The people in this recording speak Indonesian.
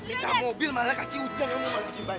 kita mobil malah kasih ujian